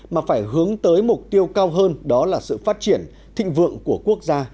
mà phải hướng tới mục tiêu cao hơn đó là sự phát triển thịnh vượng của quốc gia